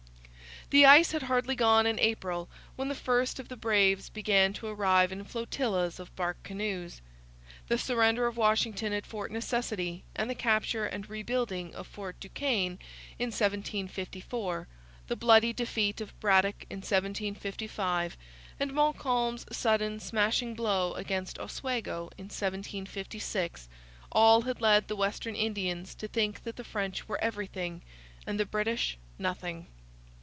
The ice had hardly gone in April when the first of the braves began to arrive in flotillas of bark canoes. The surrender of Washington at Fort Necessity and the capture and rebuilding of Fort Duquesne in 1754, the bloody defeat of Braddock in 1755, and Montcalm's sudden, smashing blow against Oswego in 1756, all had led the western Indians to think that the French were everything and the British nothing.